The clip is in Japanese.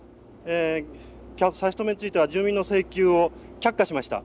差し止めについては住民の請求を却下しました。